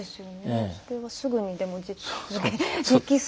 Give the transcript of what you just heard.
それはすぐにでもできそうな。